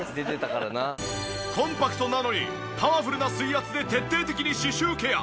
コンパクトなのにパワフルな水圧で徹底的に歯周ケア。